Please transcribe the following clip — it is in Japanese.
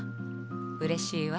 うれしいわ。